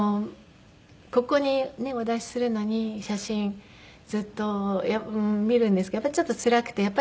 ここにねお出しするのに写真ずっと見るんですけどちょっとつらくて。